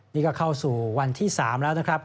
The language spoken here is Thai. นี่ก็เข้าสู่วันที่๓แล้วนะครับ